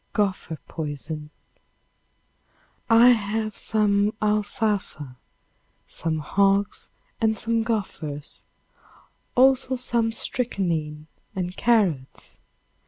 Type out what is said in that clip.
Gopher Poison. I have some alfalfa, some hogs and some gophers, also some strychnine and carrots.